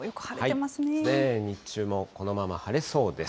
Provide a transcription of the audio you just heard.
日中もこのまま晴れそうです。